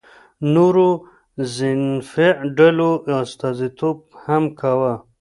نورو ذینفع ډلو استازیتوب هم کاوه.